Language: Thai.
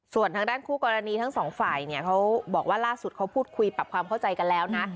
ส่วนทางด้านคู่กรณีทั้งสองฝ่ายเนี่ยเขาบอกว่าล่าสุดเขาพูดคุยปรับความเข้าใจกันแล้วนะ